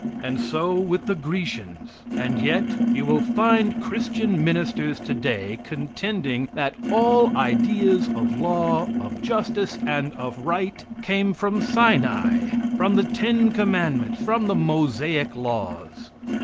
And so with the Grecians. And yet you will find Christian ministers today contending that all ideas of law, of justice and of right came from Sinai, from the ten commandments, from the Mosaic laws.